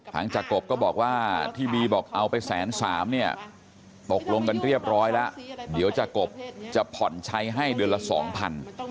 จากกบก็บอกว่าที่บีบอกเอาไปแสนสามเนี่ยตกลงกันเรียบร้อยแล้วเดี๋ยวจากกบจะผ่อนใช้ให้เดือนละสองพัน